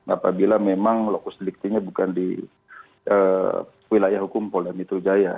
apabila memang lokus deliktinya bukan di wilayah hukum pola mitrujaya